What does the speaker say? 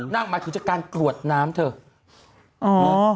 นั่งมาถุงจากการกรวดน้ำเถอะ